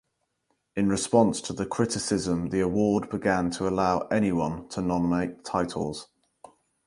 In response to the criticism the award began to allow anyone to nominate titles.